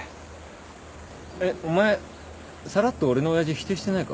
えっお前さらっと俺の親父否定してないか？